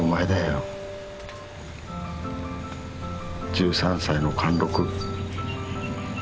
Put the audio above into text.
１３歳の貫禄。